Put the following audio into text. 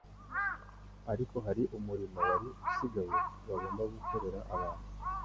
ariko hari umurimo wari usigaye bagombaga gukorera abantu,